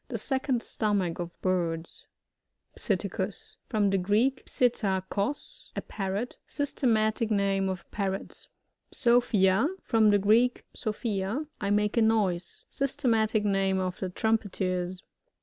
The second stomach of birds. Psittauus. — From the Greek, psUta^ ko8, a Parrot. Systematic name of Parrots. PsopHiA. — From the Greek, psophia^ I make a noise. Systematic name of the Trumpeters.